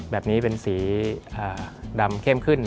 แบบนี้เป็นสีดำเข้มขึ้น